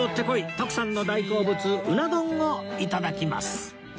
徳さんの大好物うな丼を頂きます